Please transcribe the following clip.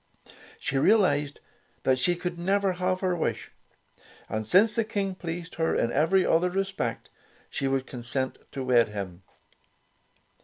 She realized that she could never have her wish, and since the King pleased her in every other respect, she would consent to wed him.